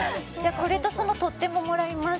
これとその取っ手ももらいます